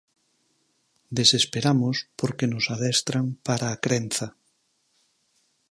Desesperamos porque nos adestran para a crenza.